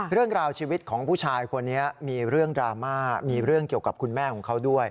เรื่องราวชีวิตของผู้ชายคนนี้มีเรื่องดราม่ามีเรื่องเกี่ยวกับคุณแม่ของเขาด้วย